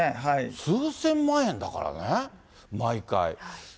数千万円だからね、毎回。